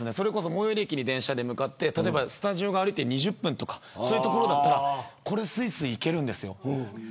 最寄り駅に電車で向かってスタジオが歩いて２０分とかだったらこれで、すいすい行けるんです。